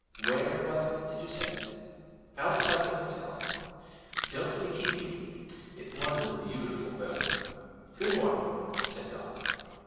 'Where was it, did you say?' 'Outside the hotel. Don't let me keep you. It was a beautiful bone. Good morning,' said Don.